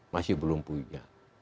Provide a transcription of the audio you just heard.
masih belum punya